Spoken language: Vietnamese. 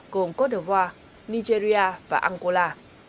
gồm cô đa voa nigeria và angola